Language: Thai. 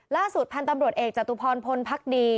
ล่าสุดพันธุ์ตำรวจเอกจตุพรพลพักดี